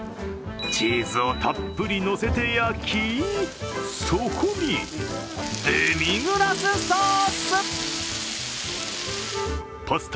チーズをたっぷりのせて焼きそこにデミグラスソース。